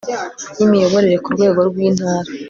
y imiyoborere ku rwego rw Intara